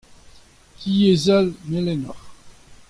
Tiez all melenoc'h.